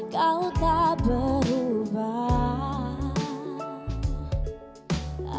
kau tak berubah